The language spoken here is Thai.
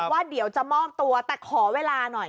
ว่าเดี๋ยวจะมอบตัวแต่ขอเวลาหน่อย